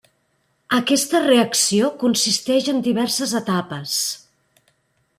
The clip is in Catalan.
Aquesta reacció consisteix en diverses etapes.